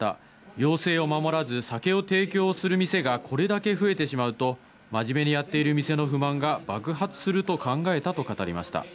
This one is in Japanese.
要請を守らず、酒を提供する店がこれだけ増えてしまうと、真面目にやっている店の不満が爆発すると考えたと語りました。